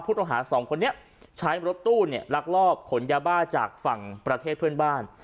สองคนนี้ใช้รถตู้เนี่ยลักลอบขนยาบ้าจากฝั่งประเทศเพื่อนบ้าน